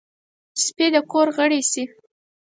سپي د کور غړی شي.